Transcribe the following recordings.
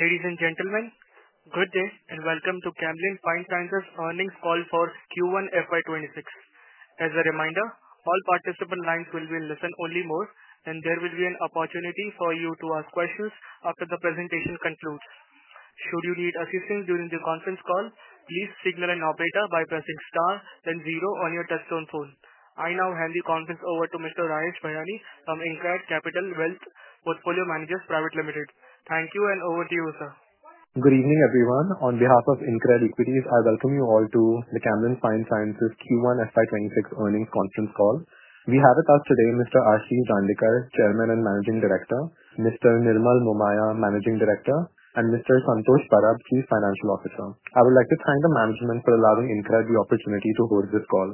Ladies and gentlemen, good day and welcome to Camlin Fine Sciences' Earnings Call for Q1 FY2026. As a reminder, all participant lines will be in listen only mode, and there will be an opportunity for you to ask questions after the presentation concludes. Should you need assistance during the conference call, please signal an operator by pressing star and zero on your touchtone phone. I now hand the conference over to Mr. Rajesh Pherwani from Incred Capital Wealth portfolio manager. Thank you and over to you, sir. Good evening, everyone. On behalf of Incred Equities, I welcome you all to the Camlin Fine Sciences Ltd Q1 FY2026 earnings conference call. We have with us today Mr. Ashish Dandekar, Chairman and Managing Director, Mr. Nirmal Momaya, Managing Director, and Mr. Santosh Parab, Chief Financial Officer. I would like to thank the management for allowing Incred the opportunity to host this call.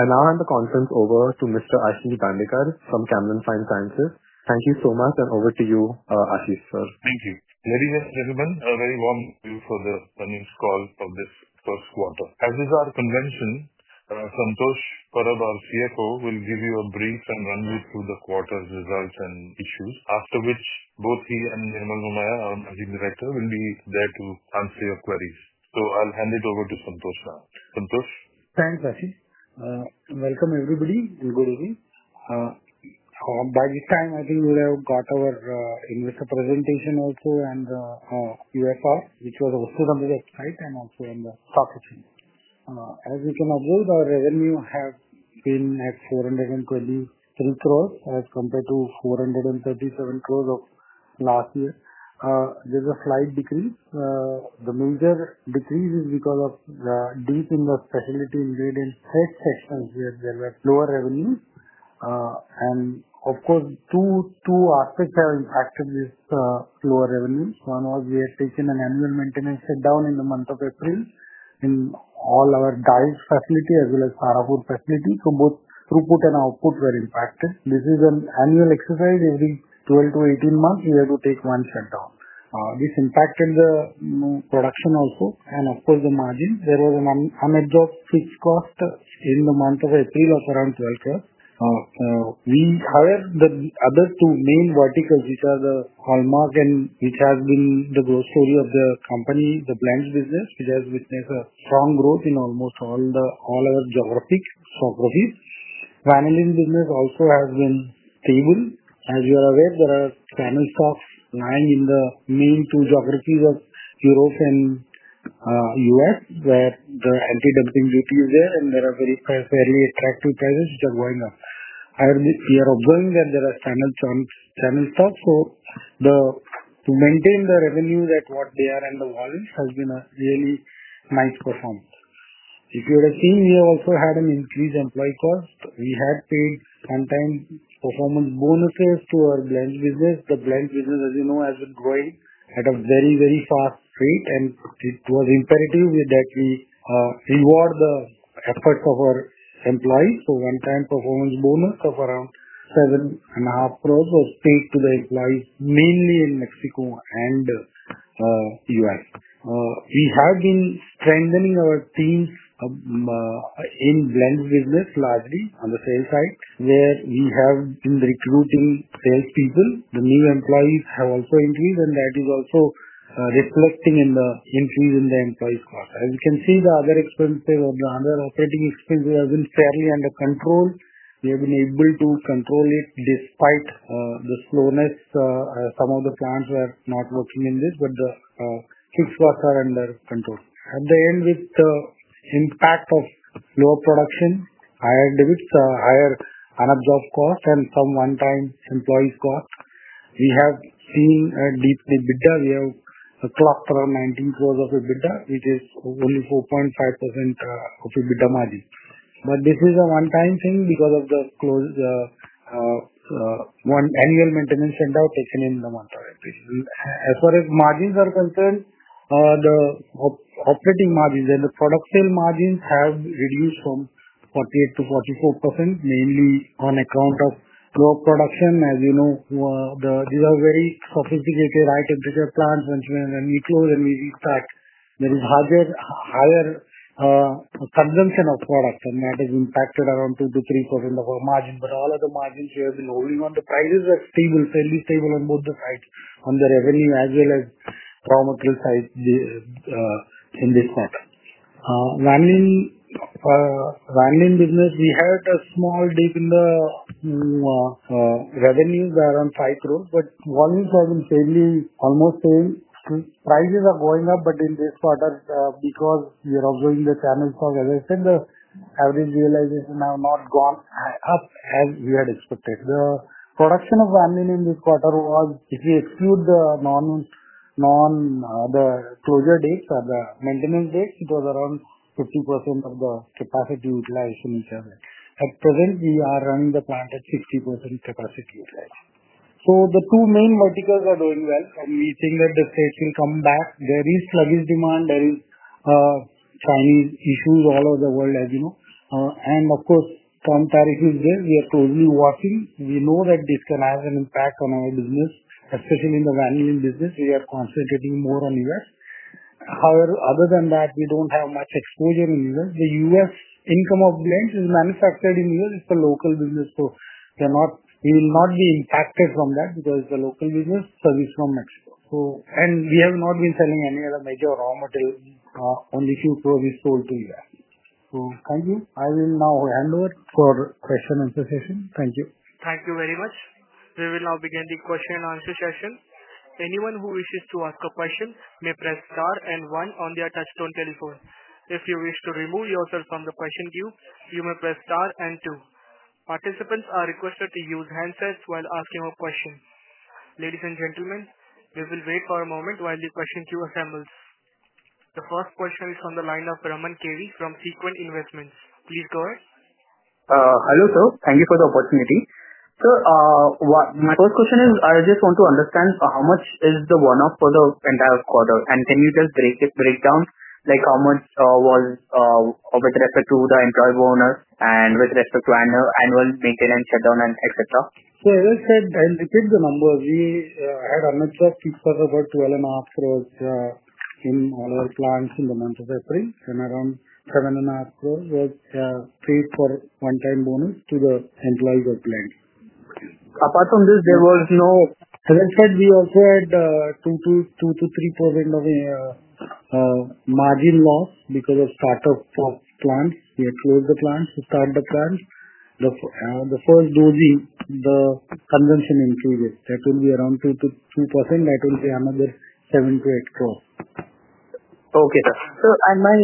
I now hand the conference over to Mr. Ashish Dandekar from Camlin Fine Sciences Ltd. Thank you so much, and over to you, Ashish, sir. Thank you. Ladies and gentlemen, a very warm welcome to the earnings call of this first quarter. As is our convention, Santosh Parab, our CFO, will give you a brief and run you through the quarter's results and issues, after which both he and Nirmal Momaya, our Managing Director, will be there to answer your queries. I'll hand it over to Santosh now. Santosh? Thanks, Ashish. Welcome everybody, and good evening. By this time, I think we would have got our investor presentation also and UFR, which was also the biggest site and also on the stock exchange. As we can upload, our revenue has been at 423 crores as compared to 437 crores of last year. There's a slight decrease. The major decrease is because of the dip in the separated ingredients stocks of course, as we had lower revenues. Of course, two aspects have impacted this lower revenue. One was we had taken an annual maintenance shutdown in the month of April in all our Dahej facility as well as Sara Food facility. Both throughput and output were impacted. This is an annual exercise every 12-18 months. We had to take one shutdown. This impacted the production also, and of course, the margins. There was an unabsorbed fixed cost in the month of April of around 12 crores. We had the other two main verticals, which are the Hallmark and which has been the growth story of the company, the blends business. It has witnessed a strong growth in almost all our geographies. Finally, the business also has been stable. As you're aware, there are channel stocks lying in the main two geographies of Europe and U.S., where there are anti-dumping duties there, and there are very fairly attractive prices which are going up. I would be here of going there, and there are channel stocks. To maintain the revenue that what they are and the wallets has been a really nice performance. If you would have seen, we also had an increased employee cost. We had paid one-time performance bonuses to our blends business. The blends business, as you know, has been growing at a very, very fast rate, and it was imperative that we reward the efforts of our employees. One-time performance bonus of around 7.5 crores was paid to the employees, mainly in Mexico and U.S. We have been strengthening our teams in the blends business largely on the sales side, where we have been recruiting salespeople. The new employees have also increased, and that is also reflecting in the increase in the employee stock. As you can see, the other expenses of the other operating expenses have been fairly under control. We have been able to control it despite the slowness. Some of the plants were not working in this, but the fixed costs are under control. At the end, it's the impact of lower production, higher debts, higher unabsorbed costs, and some one-time employees' costs. We have seen a dip in EBITDA. We have crossed around 19 crore of EBITDA. It is only 4.5% of EBITDA margin. This is a one-time thing because of the close, one annual maintenance send-out taken in the month of April. As far as margins are concerned, the operating margins and the product sale margins have reduced from 48%-44%, mainly on account of lower production. As you know, these are very sophisticated, right? To get plants once we are in the new flows and we start, you know, hardware, higher, consumption of products, and that has impacted around 2%-3% of our margin. All other margins have been moving on. The prices are stable, fairly stable on both the sides, on the revenue as well as raw material side, in the cost. Running business, we had a small dip in the revenues around INR 5 crore, but volumes have been fairly almost the same. Prices are going up, but in this quarter, because we are observing the channel stocks, as I said, the average utilization has not gone up as we had expected. The production of aroma in this quarter was, if you exclude the non-closure dates or the maintenance dates, it was around 50% of the capacity utilized in each other. Up to then, we are running the plant at 50% capacity set. The two main verticals are doing well. We think that the sales can come back. There is sluggish demand. There are farming issues all over the world, as you know. Of course, from perishable sales, we are closely watching. We know that this can have an impact on our business, especially in the vanillin business. We are concentrating more on the U.S. However, other than that, we don't have much exposure in the U.S. The U.S. income of blends is manufactured in the U.S. It's a local business. We will not be impacted from that because it's a local business, so it's from Mexico. We have not been selling any other major raw materials on the few crores we sold to the U.S. Thank you. I will now hand over for question and answer session. Thank you. Thank you very much. We will now begin the question and answer session. Anyone who wishes to ask a question may press star and one on their touchstone telephone. If you wish to remove yourself from the question queue, you may press star and two. Participants are requested to use handsets while asking a question. Ladies and gentlemen, we will wait for a moment while the question queue assembles. The first question is from the line of Raman Keri from Sequin Investments. Please go ahead. Hello, sir. Thank you for the opportunity. Sir, my first question is, I just want to understand how much is the one-off for the entire quarter? Can you just break it down? Like how much was with respect to the employee bonus and with respect to annual maintenance shutdown, etc.? As I said, I'll repeat the number. We had unattractive stocks about 12.5 crores in all our plants in the month of April. Around 7.5 crores were paid for one-time bonus to the centralized work plant. Apart from this, we also had 2%-3% of a margin loss because of startup of plants. We had closed the plants, restarted the plants. The first dozing, the convention included. That would be around 2%. That would be another 7 crores for. Okay, sir. My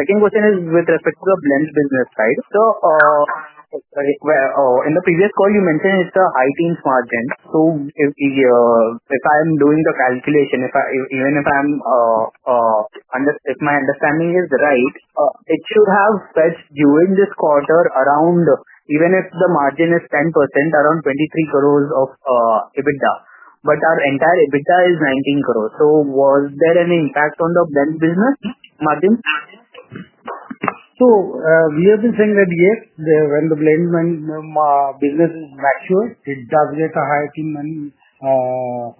second question is with respect to the blends business side. In the previous call, you mentioned it's the high-teens margin. If I'm doing the calculation, if my understanding is right, it should have spread during this quarter around, even if the margin is 10%, around 23 crore of EBITDA. Our entire EBITDA is 19 crore. Was there an impact on the blends business margin? We have been saying that, yes, when the blends business is mature, it does get a higher teen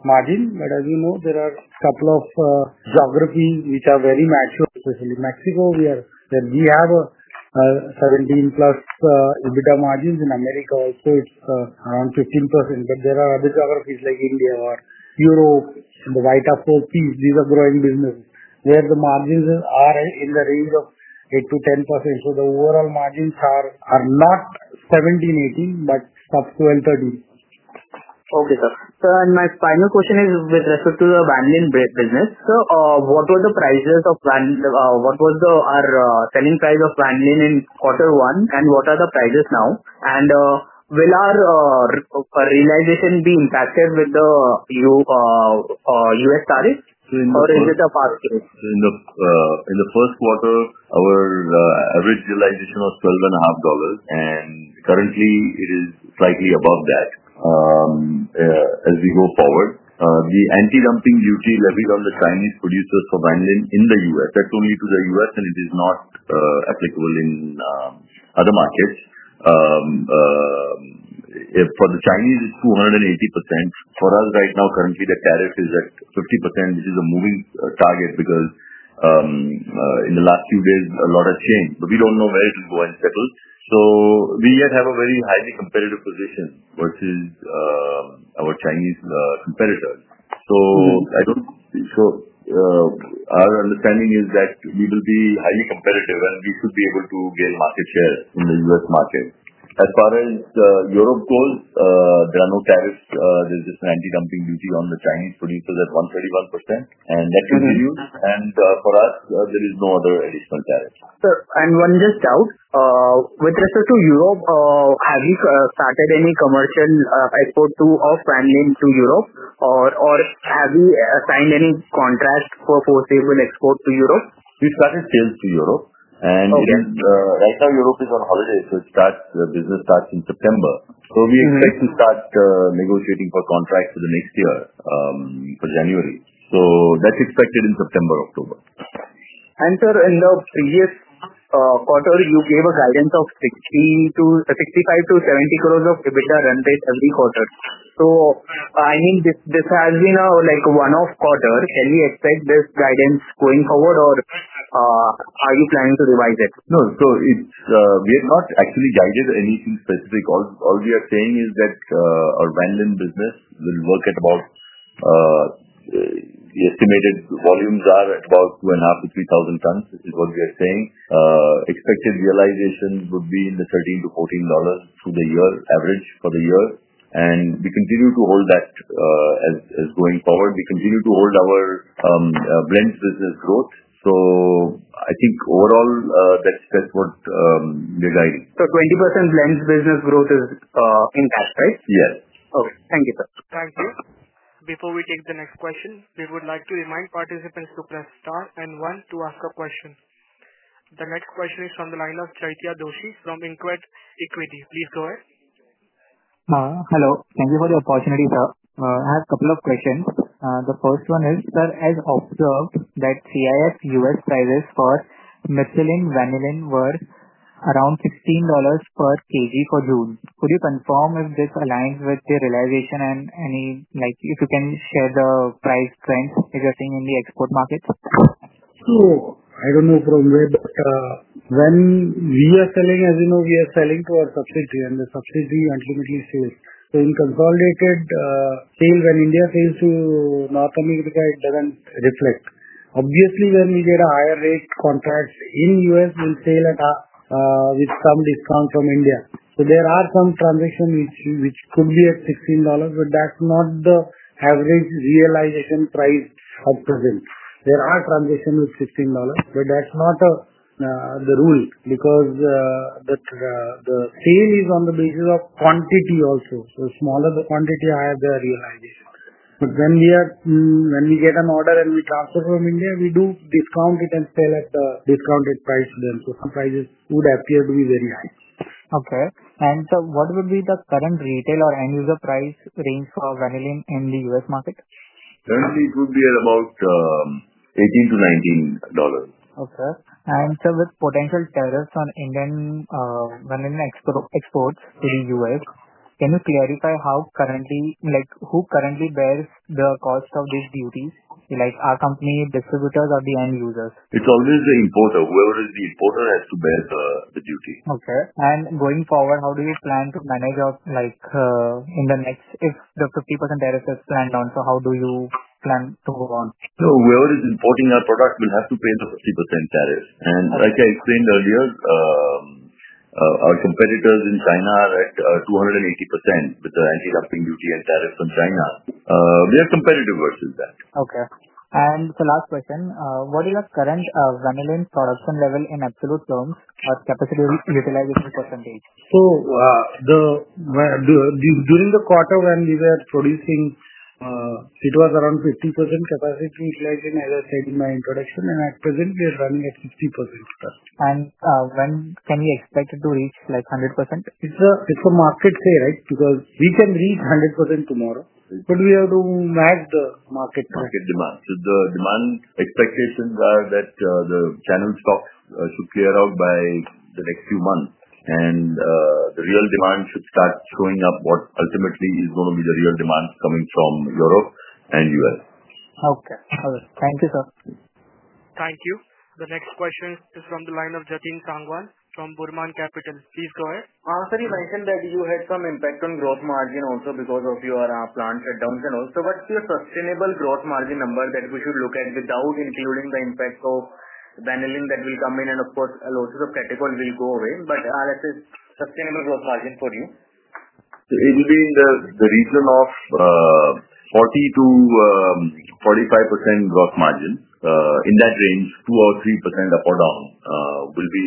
margin. As you know, there are a couple of geographies which are very mature, especially Mexico. We have 17%+ EBITDA margins. In America also, it's around 15%+. There are other geographies like India or Europe, the white upper teen. These are growing businesses where the margins are in the range of 8%-10%. The overall margins are not 17%, 18%, but up to and 30%. Okay, sir. My final question is with respect to the vanillin business. What were the prices of vanillin, what was our selling size of vanillin in quarter one, and what are the prices now? Will our realization be impacted with the U.S. tariffs, or is it a partial risk? In the first quarter, our average utilization was $12.5. Currently, it is slightly above that. As we go forward, the anti-dumping duty levied on the Chinese producers for vanillin in the U.S., that's only to the U.S., and it is not applicable in other markets. For the Chinese, it's 280%. For us right now, currently, the tariff is at 50%. This is a moving target because in the last few days, a lot has changed. We don't know where to go and settle. We yet have a very highly competitive position versus our Chinese competitors. I don't think so. Our understanding is that we will be highly competitive and we should be able to get market share in the U.S. market. As far as Europe goes, there are no tariffs. There's just an anti-dumping duty on the Chinese producers at 131%. That should reduce. For us, there is no other additional tariff. Sir, with respect to Europe, have you started any commercial export of vanillin to Europe? Or have you signed any contracts for foreseeable export to Europe? We've started sales to Europe. Europe is on holiday, so the business starts in September. We expect to start negotiating for contracts for the next year, for January. That's expected in September, October. In the previous quarter, you gave a guidance of 65 crore-70 crore of EBITDA every quarter. This has been a one-off quarter. Can you expect this guidance going forward? Are you planning to revise it? No, we have not actually guided anything specific. All we are saying is that our vanillin business will work at about, the estimated volumes are at about 2,500-3,000 tons, is what we are saying. Expected realization would be in the $13- $14 through the year, average for the year. We continue to hold that as going forward. We continue to hold our blends business growth. I think overall, that's what we're guiding. 20% blends business growth is intact, right? Yes. Okay. Thank you, sir. Thank you. Before we take the next question, we would like to remind participants to press star and one to ask a question. The next question is from the line of Chaitya Doshi from Incred Equities. Please go ahead. Hello. Thank you for the opportunity, sir. I have a couple of questions. The first one is, sir, as observed, that CIS U.S. prices for methylene vanillin were around $16 per kg for June. Could you confirm if this aligns with the realization and, if you can, share the price trends existing in the export market? I don't know from where, when we are selling, as you know, we are selling for our subsidy, and the subsidy, unfortunately, shows in consolidated sales. When India fails to not commit, it doesn't reflect. Obviously, when we get higher rate contracts in the U.S., we'll sell at a, with some discount from India. There are some transactions which could be at $15, but that's not the average realization price up to date. There are transactions with $15, but that's not the rule because the sale is on the basis of quantity also. The smaller the quantity, the higher the realization. When we get an order and we transfer from India, we do discount it and sell at the discounted price. Prices would appear to be very high. Okay. Sir, what would be the current retail or end-user price range for vanillin in the U.S. market? Currently, it would be at about $18 to $19. Okay. Sir, with potential tariffs on Indian vanillin exports to the U.S., can you clarify how currently, like, who currently bears the cost of these duties? Like, are company distributors or the end users? It's always the importer. Whoever is the importer has to bear the duty. Okay. Going forward, how do you plan to manage up, like, in the next, if the 50% tariff is planned on? How do you plan to go on? Whoever is importing our products will have to pay the 50% tariff. Like I explained earlier, our competitors in China are at 280% with the anti-dumping duty and tariffs from China. We are competitive versus that. Okay. The last question, what is our current vanillin production level in absolute terms as capacity utilization %? During the quarter when we were producing, it was around 50% capacity utilization, as I said in my introduction. At present, we are running at 50%. When can we expect it to reach 100%? It's a market sale, right? Because we can reach 100% tomorrow, but we have to match the market. Market demand. The demand expectations are that the channel stocks should clear out by the next few months, and the real demand should start showing up, what ultimately is going to be the real demand coming from Europe and the U.S. Okay. Got it. Thank you, sir. Thank you. The next question is from the line of Jatin Sangwan from Burman Capital. Please go ahead. Sir, you mentioned that you had some impact on gross margin also because of your plant shutdowns. What's your sustainable gross margin number that we should look at without including the impacts of vanillin that will come in? A lot of the critical will go away. Let's say sustainable gross margin for you. It will be in the region of 40%-45% gross margin. In that range, 2% or 3% up or down will be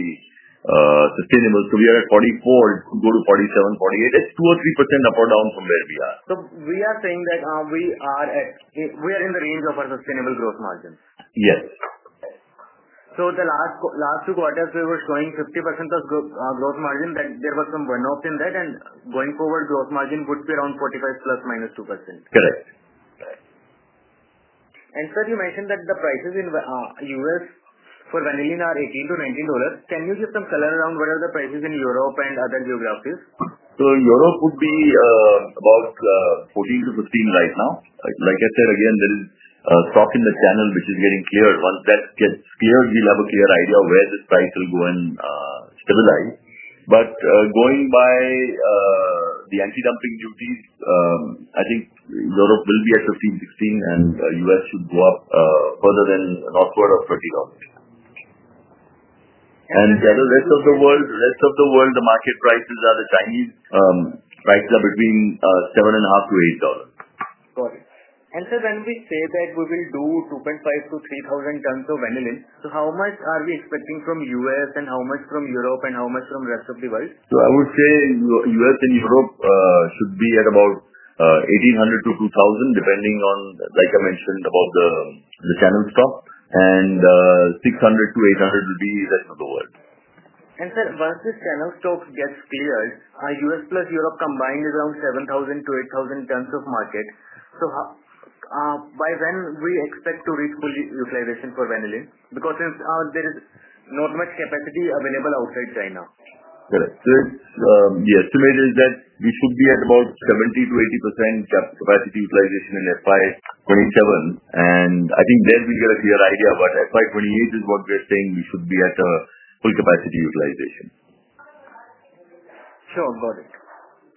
sustainable. We are at 44%. It could go to 47%, 48%. That's 2% or 3% up or down from where we are. We are saying that we are in the range of our sustainable gross margins. Yes. The last two quarters, we were showing 50% of gross margin, that there was some run-off in that. Going forward, gross margin would be around 45%± 2%. Correct. Sir, you mentioned that the prices in the U.S. for vanillin are $18-$19. Can you give some color around what are the prices in Europe and other geographies? In Europe, it would be about $14-$15 right now. Like I said, again, there is a stock in the channel which is getting cleared. Once that gets cleared, we'll have a clear idea of where this price will go and stabilize. Going by the anti-dumping duties, I think Europe will be at $15, $16, and the U.S. should go up further than an upward of $30. The rest of the world, the market prices are the Chinese prices are between $7.50-$8. Got it. Sir, when we say that we will do 2,500 to 3,000 tons of vanillin, how much are we expecting from the U.S., how much from Europe, and how much from the rest of the world? U.S. and Europe should be at about 1,800-2,000, depending on, like I mentioned, about the channel stock. 600 to 800 would be the rest of the world. Once this channel stock gets cleared, U.S. plus Europe combined is around 7,000-8,000 tons of market. By when do we expect to reach full utilization for vanillin? Because since there is not much capacity available outside China. Correct. Yes, estimated is that we should be at about 70%-80% capacity utilization in FY 2027. I think there we get a clear idea of what FY 2028 is, what we're saying we should be at a full capacity utilization. Sure. Got it.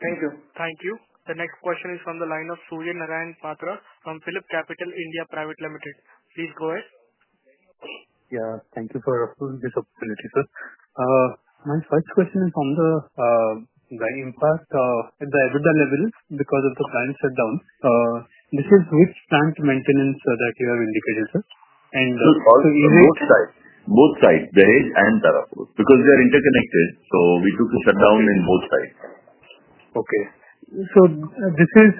Thank you. Thank you. The next question is from the line of Surya Narayan Patra from PhilipCapital, India Private Limited. Please go ahead. Thank you for offering this opportunity, sir. My first question is on the impact on the EBITDA levels because of the plant shutdowns. Which plant maintenance have you indicated, sir? Both sides, both sides, Dahej and Tarapur. Because they are interconnected, we took a shutdown in both sides. Okay. Is this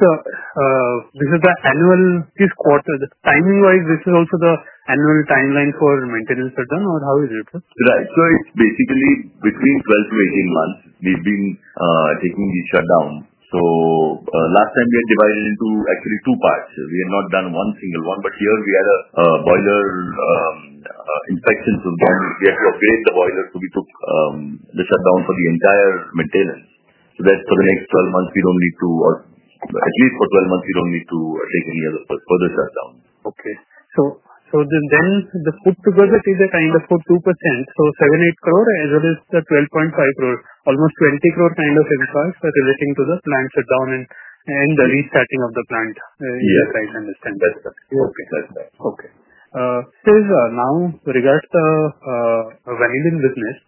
the annual, this quarter, the timing-wise, is this also the annual timeline for maintenance shutdown, or how is it? Right. It's basically between 12-18 months. We've been taking each shutdown. Last time we had divided into actually two parts. We had not done one single one, but here we had a boiler inspection to go and create the boiler. We took the shutdown for the entire maintenance. For the next 12 months, we don't need to, or at least for 12 months, we don't need to take any other further shutdown. Okay. The food to growth is the kind of for 2%. 7 crore, 8 crore as well as the 12.5 crore. Almost 20 crore kind of impact that you're looking to the plant shutdown and the restarting of the plant. Yes. If I understand. That's correct. Okay, that's fine. Now, regards the vanillin business,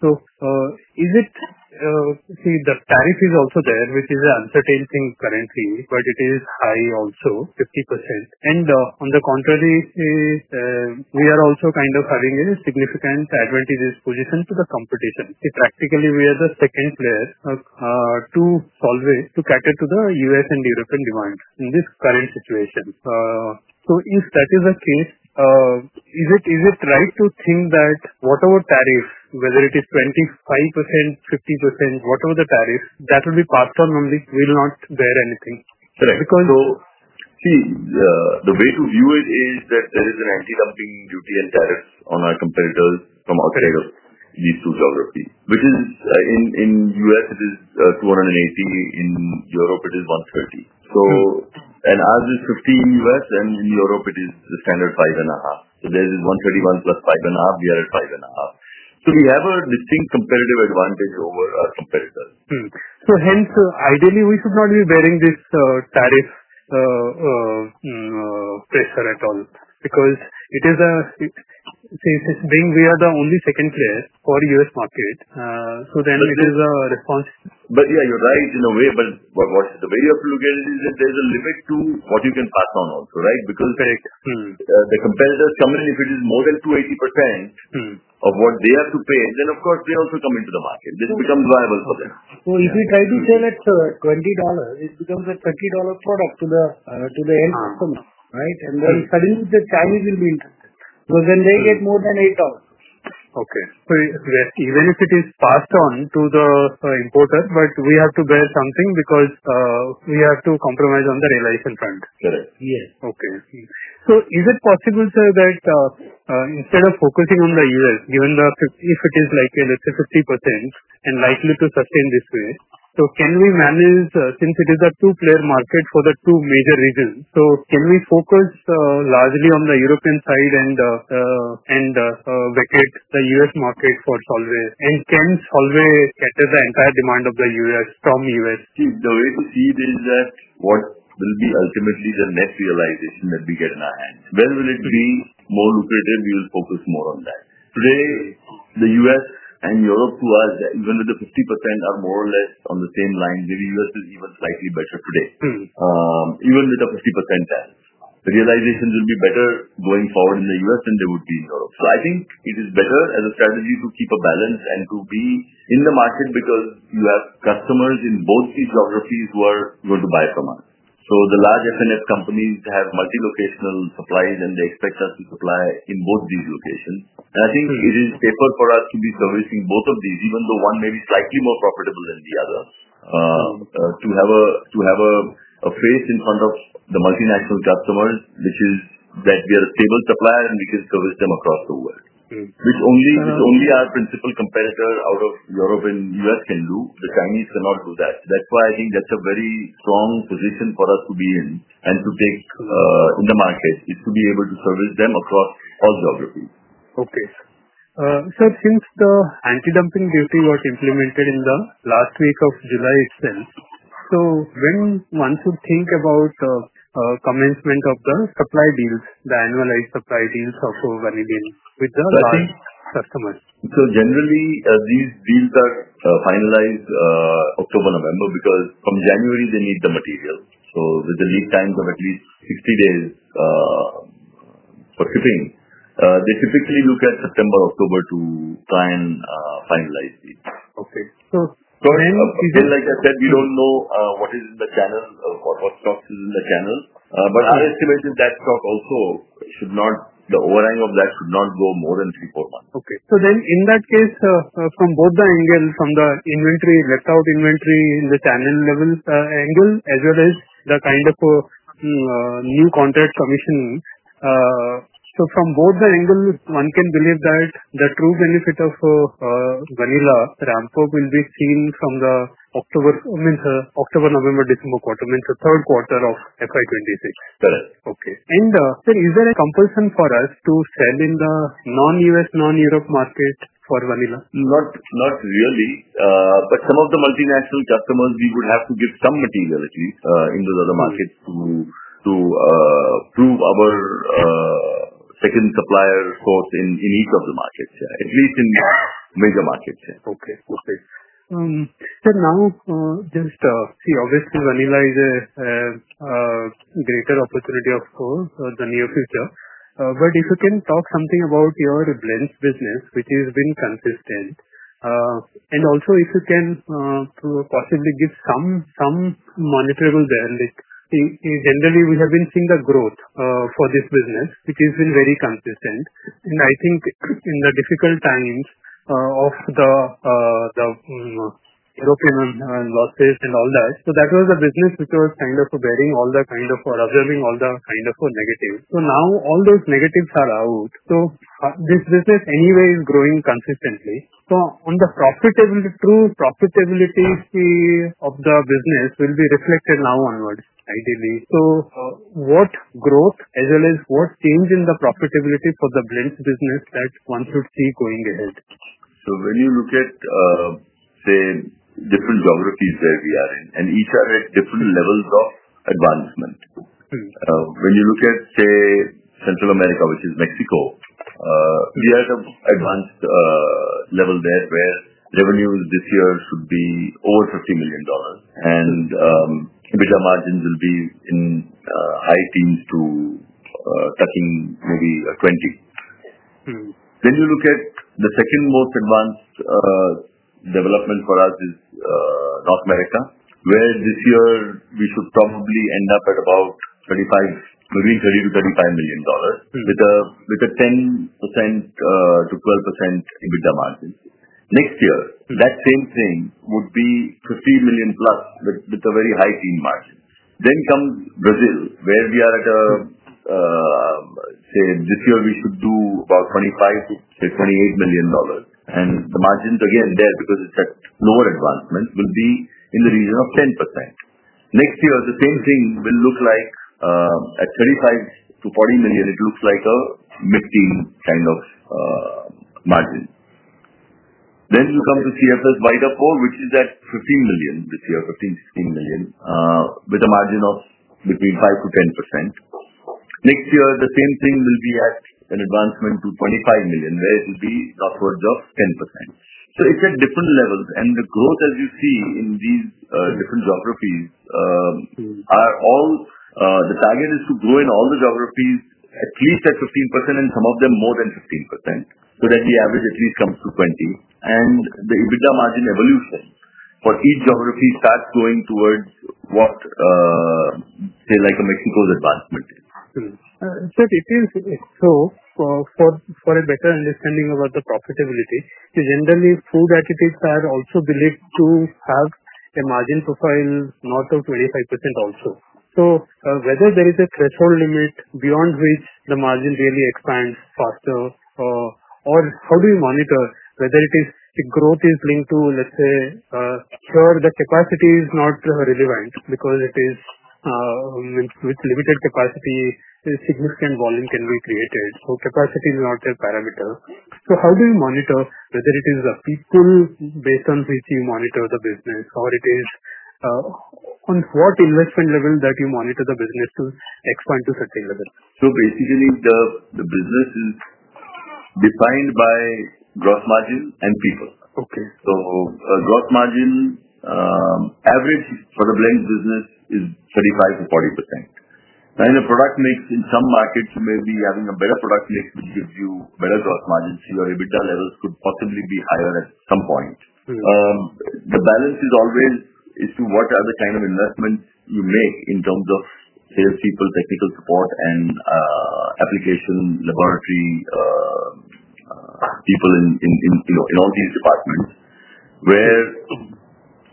the tariff is also there, which is an uncertain thing currently, but it is high also, 50%. On the contrary, we are also kind of having a significant advantageous position to the competition. Practically, we are the second player of two solvers to cater to the U.S. and European demand in this current situation. If that is the case, is it right to think that whatever tariff, whether it is 25%, 50%, whatever the tariff, that will be part-time only, will not bear anything? Correct. Because see, the way to view it is that there is an anti-dumping duty and tariff on our competitors from outside of these two geographies. In the U.S., it is 218. In Europe, it is 130. As is 50 in the U.S., and in Europe, it is the standard 5.5. There is 131 + 5.5. We are at 5.5. We have a distinct competitive advantage over our competitors. Hence, ideally, we should not be bearing this tariff pressure at all because it is a, it's a thing. We are the only second player for the U.S. market, so then it is a response. You're right in a way, but the way you have to look at it is that there's an effect to what you can pass on also, right? Because the competitors come in, if it is more than 280% of what they have to pay, then of course, they also come into the market. This becomes viable for them. If you try to sell at $20, it becomes a $30 product to the end consumer, right? Then suddenly, the Chinese will be interested because they get more than $8. Even if it is passed on to the importer, we have to bear something because we have to compromise on the realization front. Correct. Yes. Okay. Is it possible, sir, that instead of focusing on the U.S., given the 50%, if it is, let's say, 50% and likely to sustain this way, can we manage, since it is a two-player market for the two major regions, can we focus largely on the European side and the U.S. market for solvers? Can solvers cater the entire demand of the U.S. from the U.S.? The way to see this is that what will be ultimately the net realization that we get in our hands. Where will it be more lucrative? We will focus more on that. Today, the U.S. and Europe, who are even with the 50%, are more or less on the same line. The U.S. is even slightly better today. Even with a 50% tariff, realization will be better going forward in the U.S. than they would be in Europe. I think it is better as a strategy to keep a balance and to be in the market because you have customers in both these geographies who are going to buy from us. The large F&F companies have multi-locational supplies, and they expect us to supply in both these locations. I think it is safer for us to be servicing both of these, even though one may be slightly more profitable than the other, to have a face in front of the multinational customers, which is that we are a stable supplier and we can service them across the world. Only our principal competitor out of Europe and the U.S. can do that. The Chinese cannot do that. That's why I think that's a very strong position for us to be in and to take in the market, to be able to service them across all geographies. Okay, sir. Since the anti-dumping duty was implemented in the last week of July itself, when could one think about the commencement of the supply deals, the annualized supply deals of vanillin with the large customers? these deals are finalized in October or November because come January, they need the material. With the lead times of at least 60 days for shipping, they typically look at September or October to finalize deals. Okay, go ahead, please. Like I said, we don't know what is in the channel or what stocks are in the channel. Our estimate is that stock also should not, the overhang of that should not go more than three, four months. Okay. In that case, from both the angle from the inventory, without inventory in the channel level angle, as well as the kind of a new contract commission, from both the angles, one can believe that the true benefit of vanillin ramp-up will be seen from the October, I mean, October, November, December quarter, means the third quarter of FY2026. Correct. Okay. Sir, is there a compulsion for us to sell in the non-U.S., non-Europe market for vanillin? Not really. Some of the multinational customers, we would have to give some materiality in those other markets to prove our second supplier's thought in each of the markets, at least in major markets. Okay. Okay. So now, just see, obviously, vanillin is a greater opportunity, of course, for the near future. If you can talk something about your blends business, which has been consistent, and also if you can possibly give some monitorable there, generally, we have been seeing the growth for this business, which has been very consistent. I think in the difficult times of the European and losses and all that, that was a business which was kind of bearing all the kind of, or observing all the kind of negatives. Now all those negatives are out. This business anyway is growing consistently. On the profitability, true profitability of the business will be reflected now onwards, ideally. What growth, as well as what change in the profitability for the blends business that one should see going ahead? When you look at, say, different geographies where we are in, and each are at different levels of advancement. When you look at, say, Central America, which is Mexico, you have an advanced level there where revenues this year should be over $50 million. EBITDA margins will be in high teens to touching maybe a 20%. When you look at the second most advanced development for us, it is North America, where this year we should probably end up at about $30 million-$35 million with a 10%-12% EBITDA margin. Next year, that same thing would be $50 million plus, but with a very high teen margin. Next comes Brazil, where we are at, say, this year we should do about $25 million-$28 million. The margin, again, there because it's at lower advancement, will be in the region of 10%. Next year, the same thing will look like $35 million-$40 million, it looks like a 15% kind of margin. Next, you come to CFS White Up Cove, which is at $15 million this year, $15 million-$16 million, with a margin of between 5% to 10%. Next year, the same thing will be at an advancement to $25 million, where it will be upwards of 10%. It's at different levels. The growth, as you see, in these different geographies, the target is to grow in all the geographies at least at 15% and some of them more than 15%. The average at least comes to 20%. The EBITDA margin evolution for each geography starts going towards what, say, like a Mexico's advancement is. For a better understanding about the profitability, generally, food additives are also believed to have a margin profile north of 25%. Is there a threshold limit beyond which the margin really expands faster, or how do you monitor whether the growth is linked to, let's say, sure, the capacity is not relevant because with limited capacity, a significant volume can be created. Capacity is not a parameter. How do you monitor whether it is a system based on which you monitor the business, or on what investment level do you monitor the business to expand to sustainable? Basically, the business is defined by gross margin and people. A gross margin average for the blends business is 35%-40%. In a product mix in some markets, you may be having a better product mix which gives you better gross margin. Your EBITDA levels could possibly be higher at some point. The balance is always an issue, what other kind of investments you make in terms of salespeople, technical support, and application laboratory people in all these departments where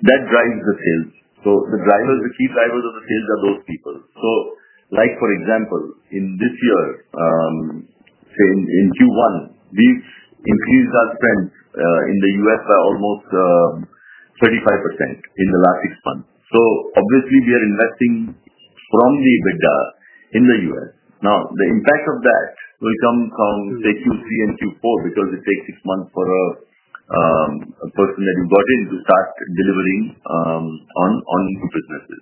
that drives the sales. The key drivers of the sales are those people. For example, in this year, in Q1, these increases are spent in the U.S. by almost 35% in the last six months. Obviously, we are investing from the EBITDA in the U.S. The impact of that will come from Q3 and Q4 because it takes six months for a person that you got in to start delivering on new businesses.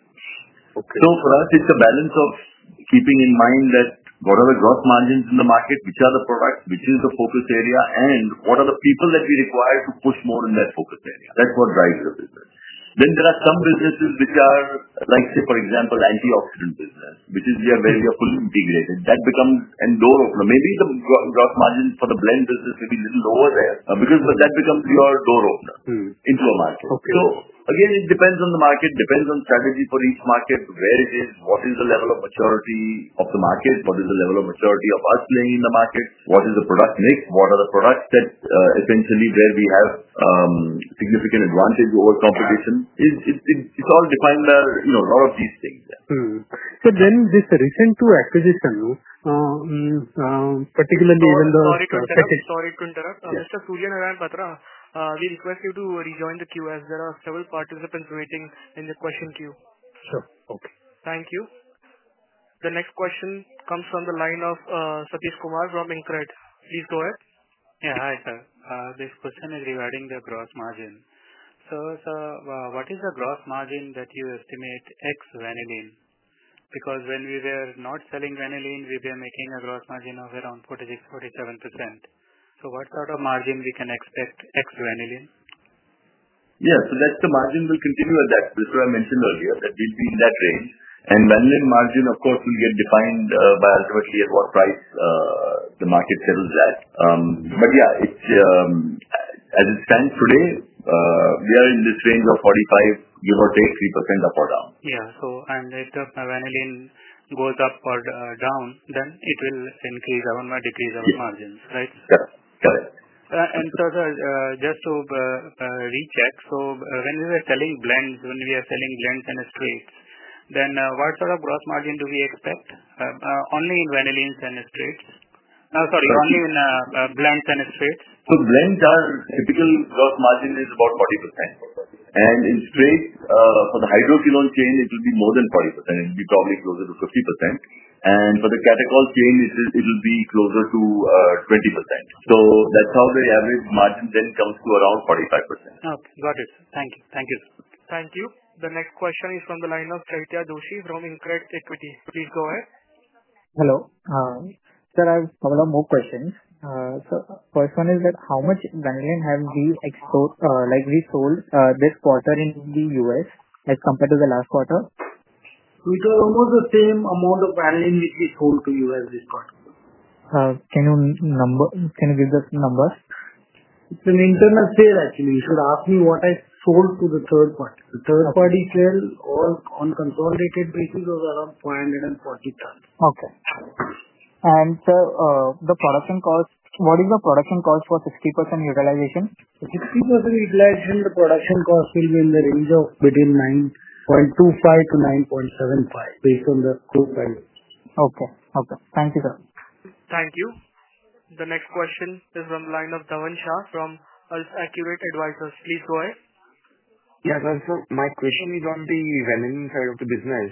For us, it's a balance of keeping in mind what are the gross margins in the market, which are the products, which is the focus area, and what are the people that we require to push more in that focus area. That's what drives the business. There are some businesses which are, for example, antioxidant business, which is where we are fully integrated. That becomes a door opener. Maybe the gross margin for the blends business may be even lower there because that becomes your door opener into a market. It depends on the market, depends on strategy for each market, where it is, what is the level of maturity of the market, what is the level of maturity of us playing in the markets, what is the product mix, what are the products that are essentially where we have significant advantage over competition. It's all defined by a lot of these things. This recent two expositions now, particularly even the. Sorry to interrupt. Mr. Surya Narayan Patra, we request you to rejoin the queue as there are several participants waiting in the question queue. Sure. Okay. Thank you. The next question comes from the line of Satish Kumar from Incred Equities. Please go ahead. Yeah. Hi, sir. This question is regarding the gross margin. Sir, what is the gross margin that you estimate ex-vanillin? Because when we were not selling vanillin, we were making a gross margin of around 46%, 47%. What sort of margin can we expect ex-vanillin? Yeah, that's the margin we'll continue at. That's what I mentioned earlier, that we've been in that range. Vanillin margin, of course, will get defined by ultimately at what price the market sales is at. As it stands today, we are in this range of 45%, give or take 3% up or down. If the vanillin goes up or down, then it will increase our margins, right? Yes, got it. Sir, just to recheck, when we are selling blends and sprays, what sort of gross margin do we expect? Only in blends and sprays. Blends are typical gross margin is about 40%. In sprays, for the hydroquinone chain, it will be more than 40%. It will be probably closer to 50%. For the catechol chain, it will be closer to 20%. That's how the average margin then comes to around 45%. Got it. Thank you. Thank you. Thank you. The next question is from the line of Chaiitya Doshi from Incred Equities. Please go ahead. Hello. Sir, I have a couple of more questions. The question is that how much vanillin have we export, like we sold this quarter in the US as compared to the last quarter? We sold almost the same amount of vanillin as we sold to the U.S. this quarter. Can you give us numbers? It's an internal sale, actually. You should ask me what I sold to the third party. The third party sale or on consolidated pricing was around 540,000. Okay. Sir, the production cost, what is the production cost for 60% utilization? For 60% utilization, the production cost will be in the range of 9.25 to 9.75 based on the group vendor. Okay. Okay. Thank you, sir. Thank you. The next question is from the line of Dhavan Shah from AlfAccurate Advisors. Please go ahead. Yeah. Sir, my question is on the vanillin side of the business.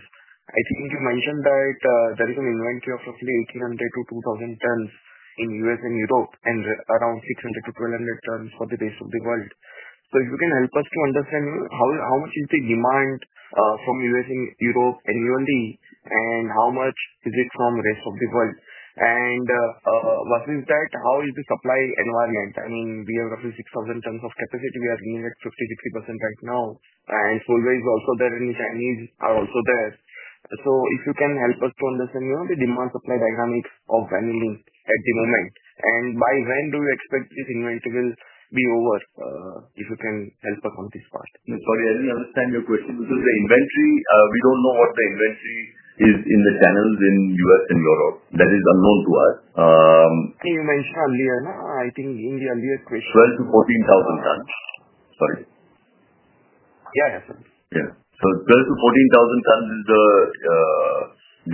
I think you mentioned that there is an inventory of roughly 1,800-2,000 tons in the U.S. and Europe and around 600-1,200 tons for the rest of the world. If you can help us to understand how much is the demand from the U.S. and Europe annually and how much is it from the rest of the world? What is that? How is the supply environment? I mean, we have roughly 6,000 tons of capacity. We are being at 50-60% right now. It's always also there in the Chinese are also there. If you can help us to understand, you know, the demand-supply dynamics of vanillin at the moment. By when do you expect this inventory will be over? If you can help us on this part. Sorry, I didn't understand your question. This is the inventory. We don't know what the inventory is in the channels in the U.S. and Europe. That is unknown to us. You mentioned earlier, I think in the earlier question. 12,000-14,000 tons. Sorry. Yeah, sorry. Yeah. 12,000-14,000 tons is the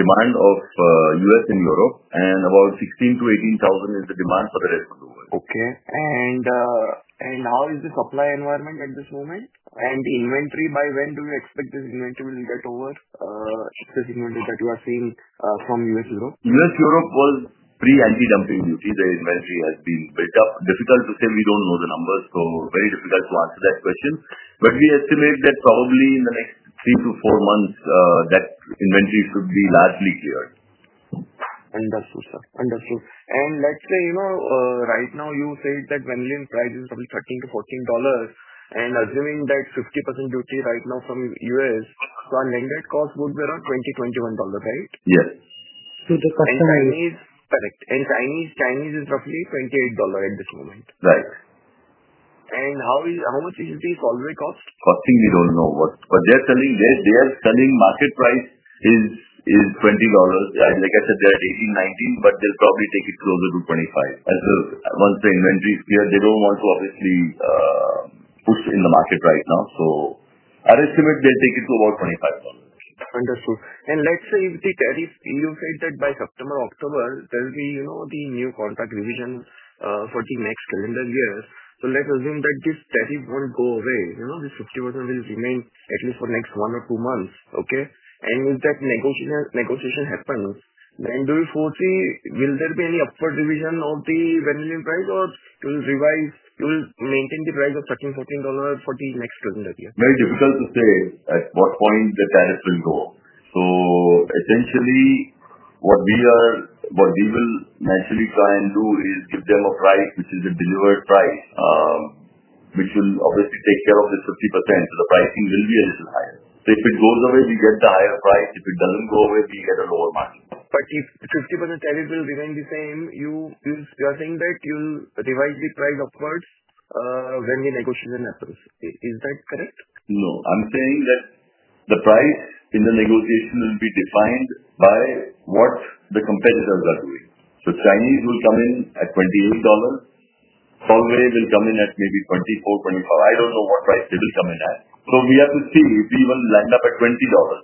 demand of the U.S. and Europe, and about 16,000-18,000 is the demand for the rest of the world. Okay. How is the supply environment at this moment? The inventory, by when do you expect this inventory will be that over? Excess inventory that you are seeing from the U.S. and Europe? U.S. and Europe was pre-anti-dumping. You see, the inventory has been built up. Difficult to say. We don't know the numbers. Very difficult to answer that question. We estimate that probably in the next three to four months, that inventory should be largely cleared. Understood, sir. Understood. Let's say, you know, right now you said that vanillin price is from $13-$14. Assuming that 50% duty right now from the U.S., our net cost would be around $20, $21, right? Yes. The cost for Chinese, correct, and Chinese is roughly $28 at this moment. Right. How much is the solvent cost? Cost, things we don't know. What they're telling is they are selling market price is in $20. Like I said, they're 18, 19, but they'll probably take it closer to $25 as well once the inventory is clear. They don't want to obviously push in the market right now. Our estimate they'll take it to about $25. Understood. Let's say if the tariffs, you said that by September or October, there will be the new contract revision for the next quarter of the year. Let's assume that these tariffs won't go away. This 50% will remain at least for the next one or two months. If that negotiation happens, do you foresee will there be any upward revision of the vanillin price or will you maintain the price of $13, $14 for the next calendar year? Very difficult to say at what point the tariffs will go. Essentially, what we will naturally try and do is give them a price which is a delivered price. We should obviously take care of this 50%. The pricing will be a little higher. If it goes away, we get the higher price. If it doesn't go away, we get a lower margin. If the 50% tariff will remain the same, you're saying that you'll revise the price, of course, when we negotiate the next price. Is that correct? No, I'm saying that the price in the negotiation will be defined by what the competitors are doing. Chinese will come in at $28. Solvent will come in at maybe $24, $25. I don't know what price they will come in at. We have to see if we will end up at $20,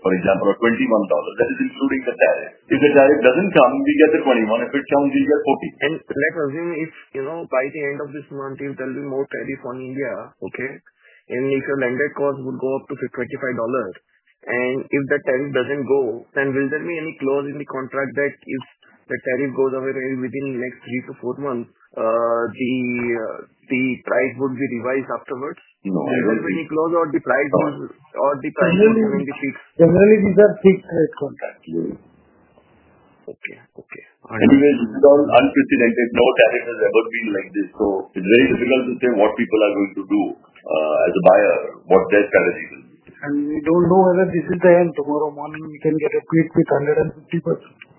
for example, or $21. That's including the tariff. If the tariff doesn't come, we get $21. If it comes, we get $40. Let's assume if, by the end of this month, there will be more tariffs on India. If your landed cost would go up to $25, and if that tariff doesn't go, will there be any clause in the contract that if the tariff goes away within the next three to four months, the price would be revised afterwards? No, I don't think so. Will you close out the price or the pricing? Generally, these are fixed tariff contracts. Okay. Okay. It is unprecedented. No tariff has ever been like this. It is very difficult to say what people are going to do, as a buyer, what their tariff is. We don't know whether they will die. Tomorrow morning we can get a quid to 250%.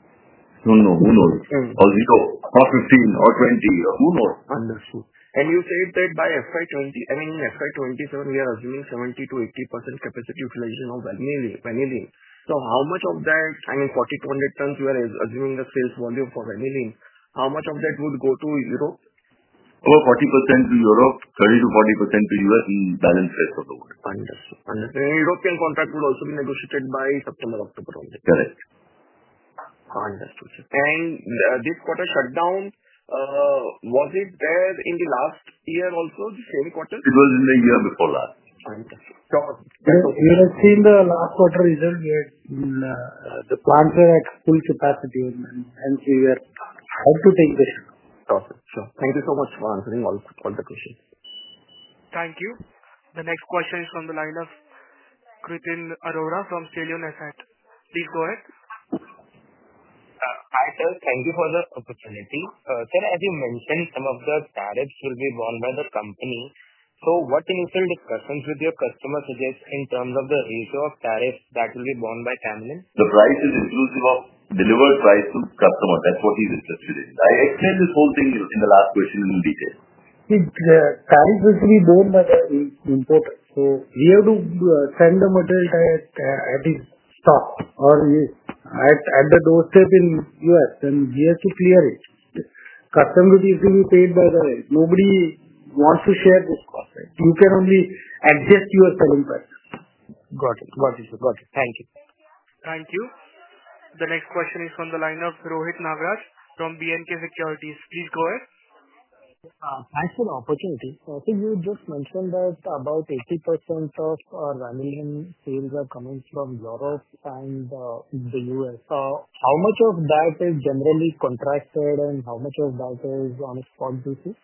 No, no, who knows? Zero or 15 or 20 or who knows? Understood. You said that by FY2027, we are assuming 70%-80% capacity utilization of vanillin. How much of that, I mean, 40-100 tons, you are assuming the sales volume for vanillin, how much of that would go to Europe? About 40% to Europe, 30%-40% to U.S. in the balanced sales of the world. Understood. European contract would also be negotiated by September, October only. Correct. Understood. This quarter shutdown, was it there in the last year also, the same quarter? It was in the year before last. Understood. Sure. We have seen the last quarter results, where the plants are at full capacity and we are outputting this. Perfect. Sure. Thank you so much for answering all the questions. Thank you. The next question is from the line of Krishnan Arora from Celio Neshek. Please go ahead. Hi, sir. Thank you for the opportunity. Sir, as you mentioned, some of the tariffs will be borne by the company. What initial discussions with your customers suggest in terms of the ratio of tariffs that will be borne by Camlin? The price is inclusive of delivered price to the customer. That's what is interested in it. I explained this whole thing in the last question in detail. Is the tariff usually borne by the import? We have to send the material at this stock or this at the doorstep in the U.S. We have to clear it. Customs would be paid by the way. Nobody wants to share. You can only adjust your selling price. Got it. Got it. Thank you. Thank you. The next question is from the line of Rohit Nagar from BNK Securities. Please go ahead. Thanks for the opportunity. I think you just mentioned that about 80% of our vanillin sales are coming from Europe and the U.S. How much of that is generally contracted and how much of that is on sponsorship?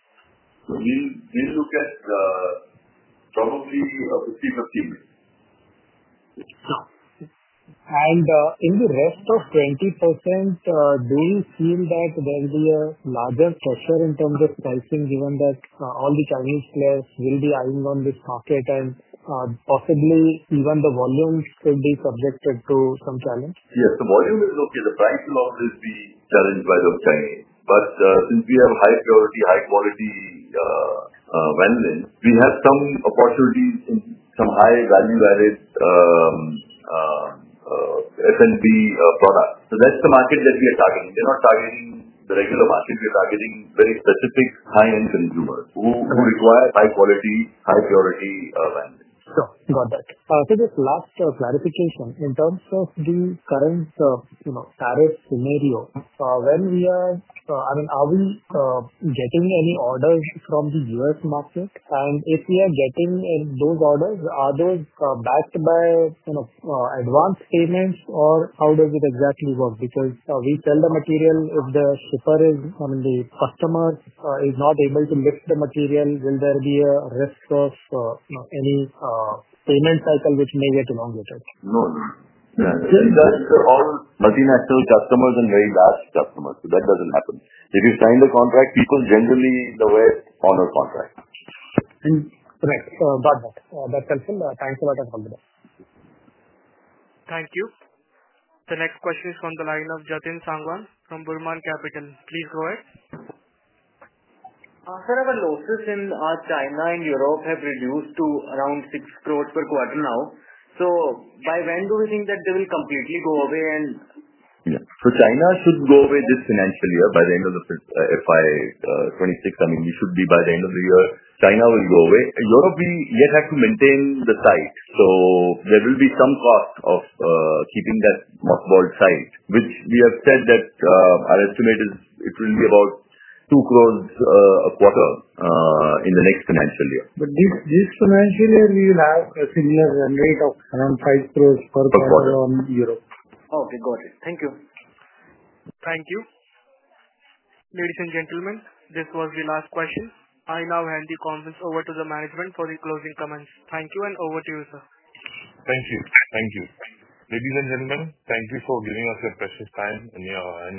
We do look at some of these 50/50 rate. In the rest of 20%, do you feel that there will be a larger pressure in terms of sourcing, given that all the Chinese players will be eyeing on this market and possibly even the volumes could be subjected to some challenge? Yes. The volume is okay. The price is not the challenge right of time. Since we have high purity, high quality vanillin, we have some opportunities in some high value-added F&P products. That's the market that we are targeting. We're not targeting the regular market. We're targeting very specific high-end consumers who require high quality, high purity vanillin. Got it. Can I just ask clarification in terms of the current, you know, tariff scenario? When we are, I mean, are we getting any orders from the U.S. market? If we are getting those orders, are they backed by kind of advanced payments or how does it exactly work? Because we sell the material. If the shipper is, I mean, the customer is not able to lift the material, will there be a risk of any payment cycle which may get longer? No, no. Yeah. That's all multinational customers and very large customers. That doesn't happen. If you sign the contract, people generally honor the contract. Right. Got it. That's helpful. Thanks a lot for the conversation. Thank you. The next question is from the line of Jatin Sangwan from Burman Capital. Please go ahead. Sir, the losses in China and Europe have reduced to around 6 crore per quarter now. By when do we think that they will completely go away? China should go away this financial year by the end of FY2026. I mean, we should be by the end of the year. China will go away. Europe, we yet have to maintain the site, so there will be some cost of keeping that offboard site, which we have said that our estimate is it will be about 20 million a quarter in the next financial year. This financial year, we will have a similar rate of around 5 crore per quarter on Europe. Okay. Got it. Thank you. Thank you. Ladies and gentlemen, this was the last question. I now hand the conference over to the management for closing comments. Thank you and over to you, sir. Thank you. Thank you. Ladies and gentlemen, thank you for giving us your precious time, and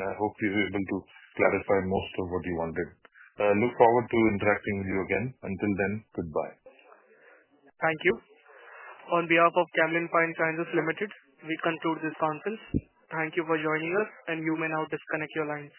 I hope you were able to clarify most of what you wanted. I look forward to interacting with you again. Until then, goodbye. Thank you. On behalf of Camlin Fine Sciences Ltd, we conclude this conference. Thank you for joining us, and you may now disconnect your lines.